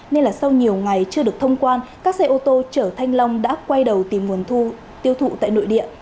nên là sau nhiều ngày chưa được thông quan các xe ô tô chở thanh long đã quay đầu tìm nguồn thu tiêu thụ tại nội địa